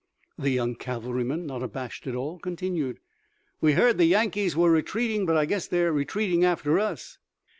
The young cavalryman, not abashed at all, continued: "We heard the Yankees were retreating, but I guess they're retreating after us."